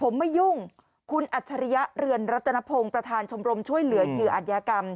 ผมไม่ยุ่งคุณอัจฉริยะเรือนรัตนพงศ์ประธานชมรมช่วยเหลือเหยื่ออัธยากรรม